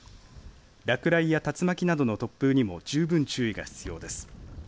落雷や竜巻などの突風にも十分注意が必要です。